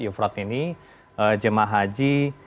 iufrat ini jemaah haji